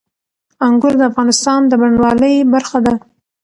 انګور د افغانستان د بڼوالۍ برخه ده.